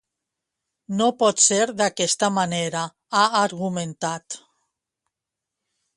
"No pot ser d'aquesta manera", ha argumentat.